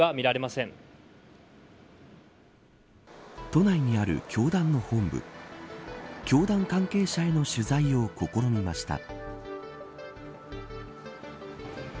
都内にある教団の本部教団関係者への取材を試みました。